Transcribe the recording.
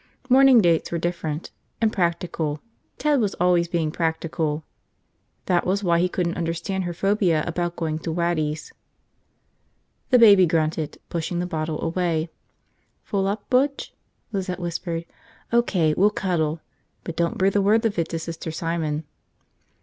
Morning dates were different. And practical. Ted was always being practical. That was why he couldn't understand her phobia about going to Waddy's. The baby grunted, pushing the bottle away. "Full up, Butch?" Lizette whispered. "O.K., we'll cuddle. But don't breathe a word of it to Sister Simon."